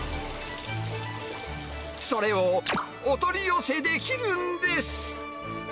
それをお取り寄せできるんです。